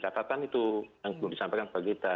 catatan itu yang belum disampaikan bagi kita